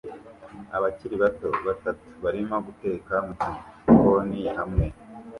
Abakiri bato batatu barimo guteka mugikoni hamwe